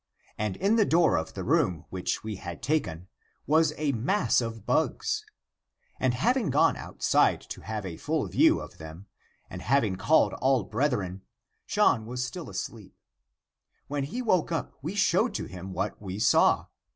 And in the door of the room which we had taken, was a mass of bugs. And having gone outside to have a full view of them, and having called all brethren, John was still asleep. When he woke up, we showed to him what we saw.